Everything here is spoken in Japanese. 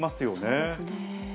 そうですね。